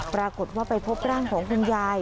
ปรากฏว่าไปพบร่างของคุณยาย